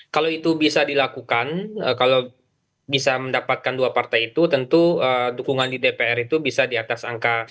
kalau itu bisa dilakukan kalau bisa mendapatkan dua partai itu tentu dukungan di dpr itu bisa di atas angka